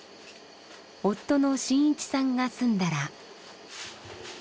夫の新一さんが済んだら。